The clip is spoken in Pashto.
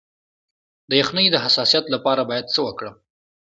د یخنۍ د حساسیت لپاره باید څه وکړم؟